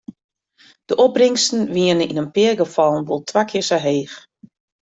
De opbringsten wiene yn in pear gefallen wol twa kear sa heech.